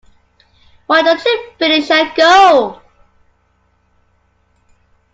Why don't you finish and go?